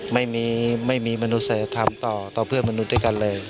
ไม่มีมนุษยธรรมต่อเพื่อนมนุษย์ด้วยกันเลย